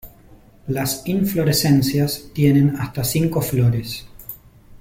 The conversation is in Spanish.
Las inflorescencias tienen hasta cinco flores.